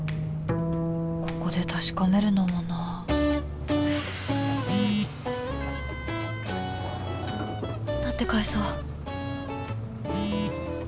ここで確かめるのもな何て返そう？